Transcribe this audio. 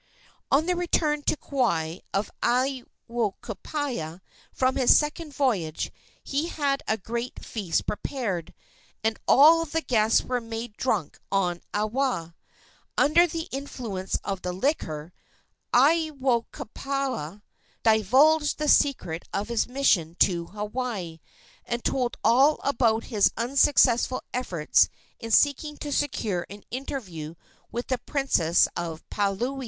On the return to Kauai of Aiwohikupua from his second voyage he had a great feast prepared, and all the guests were made drunk on awa. Under the influence of the liquor Aiwohikupua divulged the secret of his mission to Hawaii, and told all about his unsuccessful efforts in seeking to secure an interview with the princess of Paliuli.